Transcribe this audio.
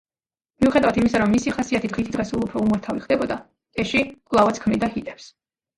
მიუხედავად იმისა, რომ მისი ხასიათი დღითიდღე სულ უფრო უმართავი ხდებოდა, კეში კვლავაც ქმნიდა ჰიტებს.